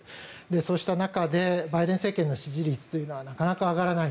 そうした中でバイデン政権の支持率というのはなかなか上がらない。